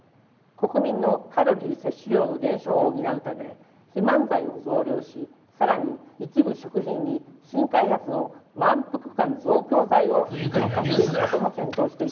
国民のカロリー摂取量の減少を補うため肥満剤を増量し更に一部食品に新開発の満腹感増強剤を添加していくことも検討して」。